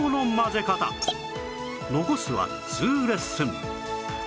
残すは２レッスン